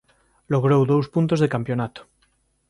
Logrou dous puntos de campionato.